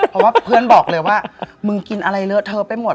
เพราะว่าเพื่อนบอกเลยว่ามึงกินอะไรเลอะเทอะไปหมด